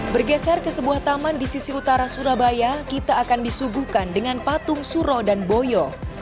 bergeser ke sebuah taman di sisi utara surabaya kita akan disuguhkan dengan patung suro dan boyo